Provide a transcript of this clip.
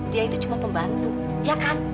dia itu cuma pembantu ya kan